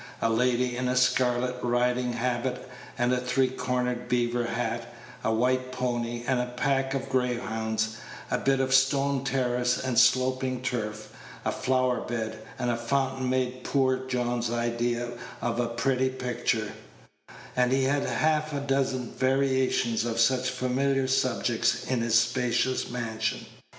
A lady in a scarlet riding habit and three cornered beaver hat, a white pony, and a pack of greyhounds, a bit of stone terrace and sloping turf, a flower bed, and a fountain made poor John's idea of a pretty picture; and he had half a dozen variations of such familiar subjects in his spacious mansion.